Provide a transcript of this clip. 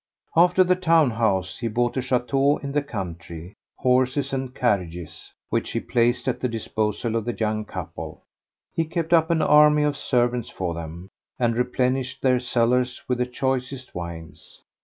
After the town house he bought a chateau in the country, horses and carriages, which he placed at the disposal of the young couple; he kept up an army of servants for them, and replenished their cellars with the choicest wines.